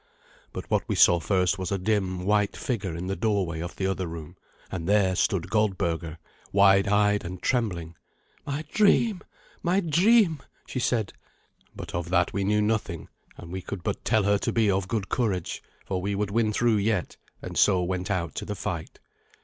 But what we saw first was a dim, white figure in the doorway of the other room; and there stood Goldberga, wide eyed and trembling. "My dream, my dream!" she said. But of that we knew nothing; and we could but tell her to be of good courage, for we would win through yet, and so went out to the fight.